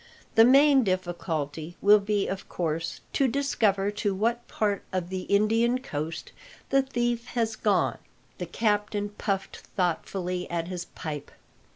"The main difficulty will be, of course, to discover to what part of the Indian coast the thief has gone." The captain puffed thoughtfully at his pipe.